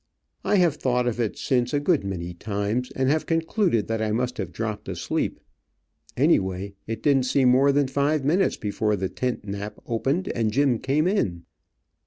I have thought of it since a good many times, and have concluded that I must have dropped asleep. Any way, it didn't seem more than five minutes before the tent nap opened and Jim came in.